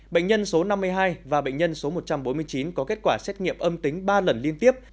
bệnh nhân số năm mươi hai và bệnh nhân số một trăm bốn mươi chín có kết quả xét nghiệm âm tính ba lần liên tiếp